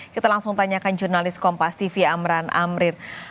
kita langsung tanyakan jurnalis kompas tv amran amrir